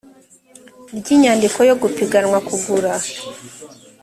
ry inyandiko yo gupiganira kugura